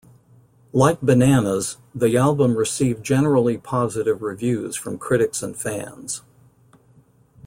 Like "Bananas", the album received generally positive reviews from critics and fans.